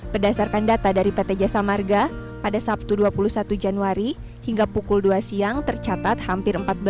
berdasarkan data dari pt jasa marga pada sabtu dua puluh satu januari hingga pukul dua siang tercatat hampir empat belas